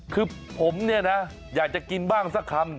คือผมเนี่ยนะอยากจะกินบ้างสักคำ